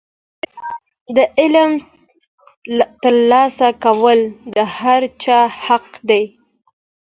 د علم ترلاسه کول د هر چا حق دی.